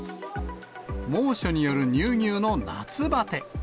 猛暑による乳牛の夏ばて。